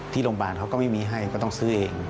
โรงพยาบาลเขาก็ไม่มีให้ก็ต้องซื้อเอง